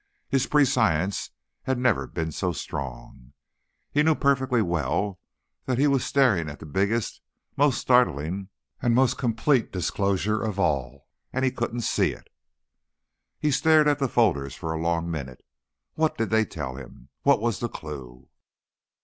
His prescience had never been so strong; he knew perfectly well that he was staring at the biggest, most startling and most complete disclosure of all. And he couldn't see it. He stared at the folders for a long minute. What did they tell him? What was the clue?